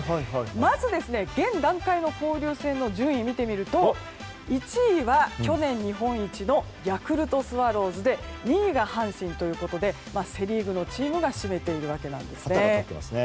まず、現段階の交流戦の順位を見てみると１位は去年日本一のヤクルトスワローズで２位が阪神ということでセ・リーグのチームが占めているわけですね。